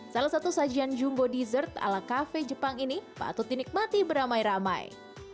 salah satu sajian jumbo dessert ala kafe jepang ini patut dinikmati beramai ramai